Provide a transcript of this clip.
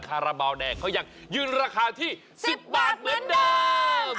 คาราบาลแดงเขายังยืนราคาที่๑๐บาทเหมือนเดิม